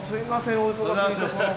お忙しいところ。